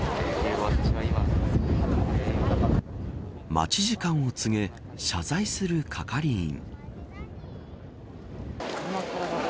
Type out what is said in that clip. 待ち時間を告げ謝罪する係員。